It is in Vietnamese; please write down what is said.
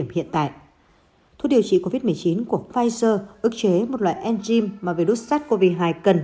hiện tại thuốc điều trị covid một mươi chín của pfizer ước chế một loại enzyme mà virus sars cov hai cần